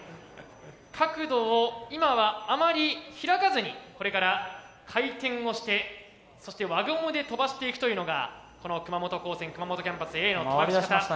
角度を今はあまり開かずにこれから回転をしてそして輪ゴムで飛ばしていくというのがこの熊本高専熊本キャンパスＡの飛ばし方。